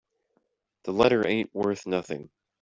The letter ain't worth nothing.